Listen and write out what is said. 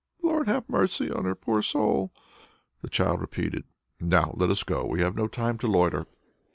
'" "Lord, have mercy on her poor soul," the child repeated. "Now let us go on. We have no time to loiter."